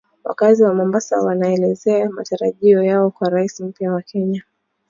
Wakazi wa Mombasa waelezea matarajio yao kwa Rais mpya wa Kenya